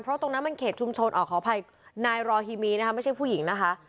เพราะตรงนั้นมันเขตชุมชนขออภัยนายรอฮีมีนะคะไม่ใช่ผู้หญิงนะคะ